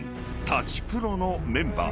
［舘プロのメンバー］